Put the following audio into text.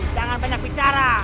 jangan banyak bicara